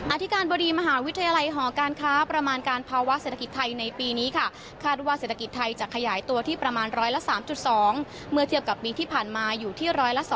อธิการบดีมหาวิทยาลัยหอการค้าประมาณการภาวะเศรษฐกิจไทยในปีนี้ค่ะคาดว่าเศรษฐกิจไทยจะขยายตัวที่ประมาณร้อยละ๓๒เมื่อเทียบกับปีที่ผ่านมาอยู่ที่๑๐๒